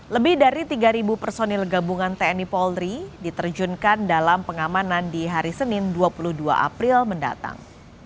lebih dari tiga personil gabungan tni polri diterjunkan dalam pengamanan di hari senin dua puluh dua april mendatang